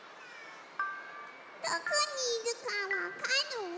どこにいるかわかる？